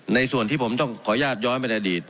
ในส่วนที่ผมต้องขออนุญาตย้อนไปในอดีต